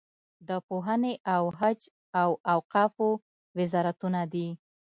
د پوهنې او حج او اوقافو وزارتونه دي.